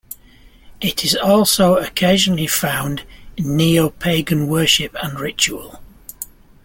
It is also occasionally found in NeoPagan worship and ritual.